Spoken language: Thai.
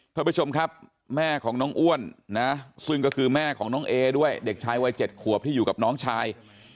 ท่านผู้ชมครับแม่ของน้องอ้วนนะซึ่งก็คือแม่ของน้องเอด้วยเด็กชายวัย๗ขวบที่อยู่กับน้องชาย